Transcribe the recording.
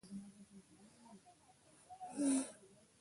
ژوند یې د او ه ق کلونو تر منځ اټکل شوی.